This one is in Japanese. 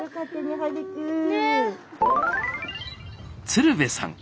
鶴瓶さん